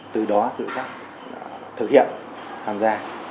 từ đó tự dắt thực hiện tham gia